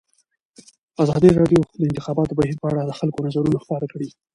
ازادي راډیو د د انتخاباتو بهیر په اړه د خلکو نظرونه خپاره کړي.